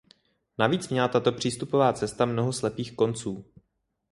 Navíc měla tato přístupová cesta mnoho slepých konců.